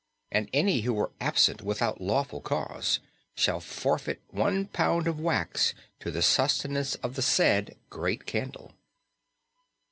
And any who were absent without lawful cause shall forfeit one pound of wax to the sustentation of the said great candle.